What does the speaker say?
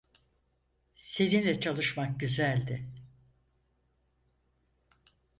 Seninle çalışmak güzeldi.